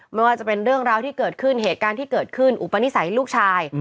ไม่ว่าจะเป็นเรื่องราวที่เกิดขึ้นเหตุการณ์ที่เกิดขึ้นอุปนิสัยลูกชาย